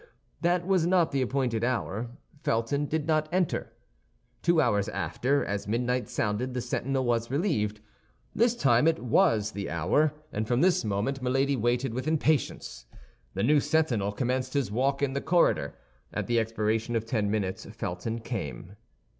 That was not the appointed hour. Felton did not enter. Two hours after, as midnight sounded, the sentinel was relieved. This time it was the hour, and from this moment Milady waited with impatience. The new sentinel commenced his walk in the corridor. At the expiration of ten minutes Felton came.